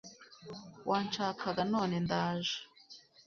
Wanshakaga none ndaje